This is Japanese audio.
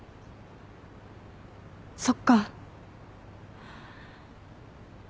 そっか